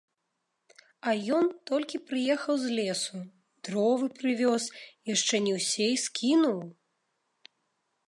А ён толькі прыехаў з лесу, дровы прывёз, яшчэ не ўсе і скінуў.